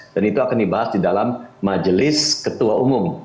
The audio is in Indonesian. dan itu akan dibahas di dalam majelis ketua umum